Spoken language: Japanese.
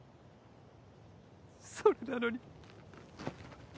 それなのに。